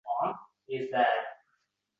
Bundan keyin xatolari yanada ko‘payadi